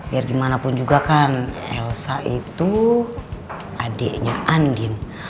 biar gimana pun juga kan elsa itu adiknya andin